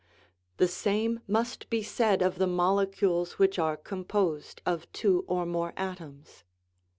The same must be said of the molecules which are composed of two or more atoms.